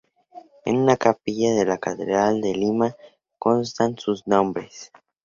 En una capilla de la catedral de Lima constan sus nombres.